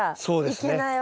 そうですね。